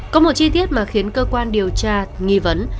có một chi tiết mà khiến cơ quan điều tra nghi vấn